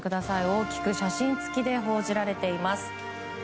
大きく写真付きで報じられています。